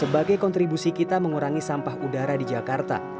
sebagai kontribusi kita mengurangi sampah udara di jakarta